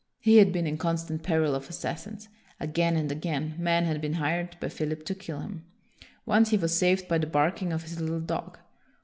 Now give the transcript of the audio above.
He had been in constant peril of assassins. Again and again, men had been hired by Philip to kill him. Once he was saved by the barking of his little dog.